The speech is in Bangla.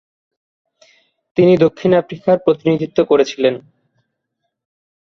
তিনি দক্ষিণ আফ্রিকার প্রতিনিধিত্ব করেছিলেন।